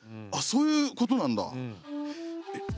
あそういうことなんだ。え。